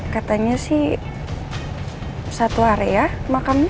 katanya sih satu area makam